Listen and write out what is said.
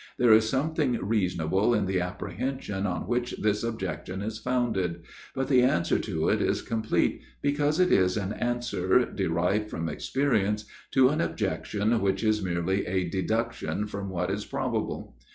There is something reasonable in the apprehension on which this objection is founded: but the answer to it is complete, because it is an answer, derived from experience, to an objection, which is merely a deduction from what is probable.